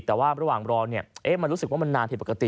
แต่ว่าระหว่างรอเนี่ยมันหรือสึกว่ามันนานเผติดปกติ